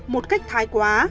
một cách thái quá